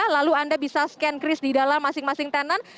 lalu anda bisa scan kris di dalam masing masing tenan